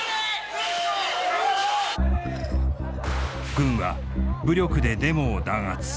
軍は武力でデモを弾圧。